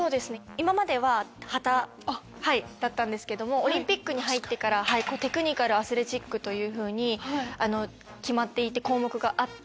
今までは旗だったんですけどもオリンピックに入ってからテクニカルアスレチックというふうに決まっていて項目があって。